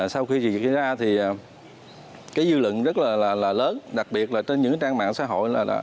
sau khi dự luận ra thì dư luận rất là lớn đặc biệt là trên những trang mạng xã hội